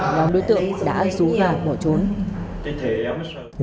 nhóm đối tượng đã xuống và mở trốn